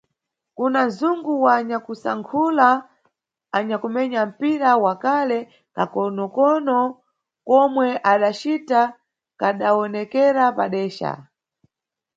Kuna nzungu wa nyakusankhula anyakumenya mpira wa kale, kakokokono komwe adacita kadawonekera padeca.